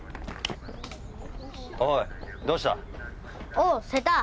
おう瀬田。